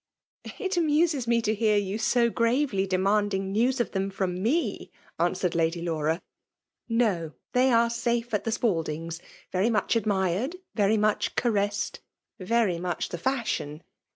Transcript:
'*' It amuses me to hear you so gravely demanding news of them from me^^ answered Lady Laura. " No ! they are safe at the Spaldings' — very much admired^ very much ca ressed^ very much the fashion.